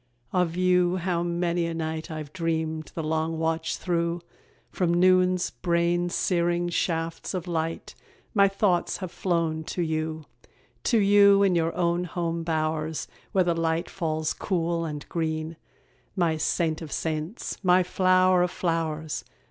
Of you, how many a night I've dreamed, the long watch through! From noon's brain searing shafts of light My thoughts have flown to you. To you in your own home bowers, Where the light falls cool and green, My saint of saints! my flower of flowers!